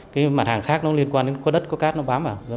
cái mặt hàng khác nó liên quan đến có đất có cát nó bám vào